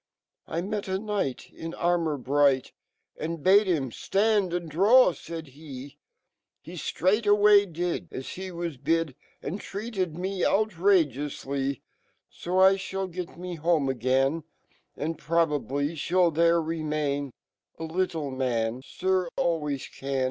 u I met a knifcht In armo r bright , And bade him (land and draw/'faid Ke <C H0 rtraightway did As he was bid, A rid treated mo outragcoufly, Sol (hall got me home again > And probably fhall fhere remairb Alittle man, Sir, always can.